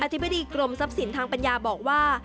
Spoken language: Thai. ธิบดีกรมทรัพย์สินทางปัญญาบอกว่า